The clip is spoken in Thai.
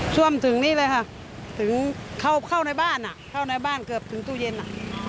ช่วมถึงนี่เลยค่ะถึงเข้าในบ้านอะเกือบถึงตู้เย็นอะ